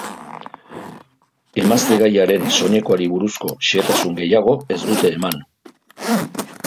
Emaztegaiaren soinekoari buruzko xehetasun gehiago ez dute eman.